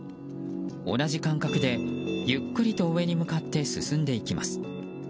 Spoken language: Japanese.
同じ間隔で、ゆっくりと上に向かって進んでいきます。